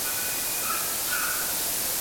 که خاوند د خادم د اجورې وسع ولري نو څه به وکړي؟